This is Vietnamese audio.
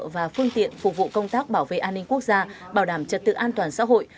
và phương tiện phục vụ công tác bảo vệ an ninh quốc gia bảo đảm trật tự an toàn xã hội